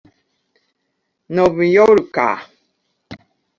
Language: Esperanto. novjorka